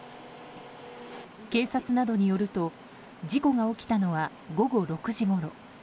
警察などによると事故が起きたのは午後６時ごろ。